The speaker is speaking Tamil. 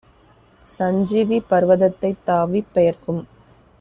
சஞ்சீவி பர்வதத்தைத் தாவிப் பெயர்க்கும்